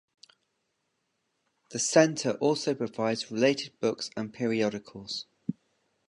The center also provides related books and periodicals.